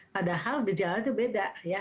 padahal gejala itu beda ya